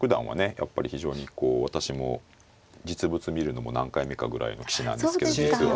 やっぱり非常にこう私も実物見るのも何回目かぐらいの棋士なんですけど実は。